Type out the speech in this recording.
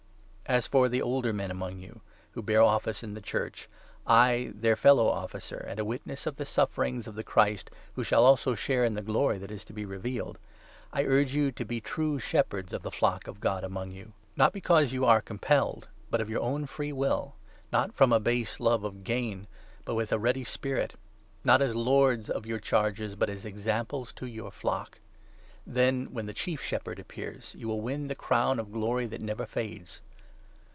As for the older men among you, who bear Exhortation* omce 'n tne Church, I, their fellow Officer, and a witness to the sufferings of the Christ, who shall also share in the glory that is to be revealed — I urge you to be true shepherds of the flock of God among you, not because • Prov. 10. ta (Hebrew). " Pa. 89. 50—51 ; Isa. it. a. " Ezek. 9. 6. 18 Prov. ii. 31. I. PETER, 5. 459 you are compelled, but of your own free will ; not from a base love of gain, but with a ready spirit ; not as lords of your 3 charges, but as examples to your flock. Then, when the 4 Chief Shepherd appears, you will win the crown of glory that never fades.